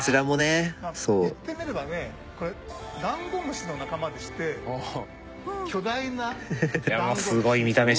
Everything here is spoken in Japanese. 言ってみればねこれはダンゴムシの仲間でして巨大なダンゴムシ。